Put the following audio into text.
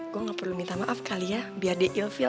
gue gak perlu minta maaf kali ya biar dia ilfiel